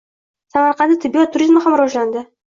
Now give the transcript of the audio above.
Samarqandda tibbiyot turizmi ham rivojlanadi